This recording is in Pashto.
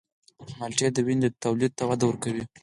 مالټې د وینې تولید ته وده ورکوي.